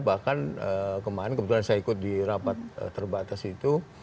bahkan kemarin kebetulan saya ikut di rapat terbatas itu